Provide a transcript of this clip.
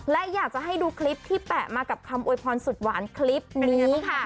และอยากจะให้ดูคลิปที่แปะมากับคำโวยพรสุดหวานคลิปนี้ค่ะ